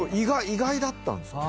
意外だったんですよね。